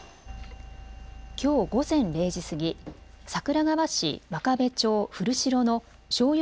きょう午前０時過ぎ、桜川市真壁町古城のしょうゆ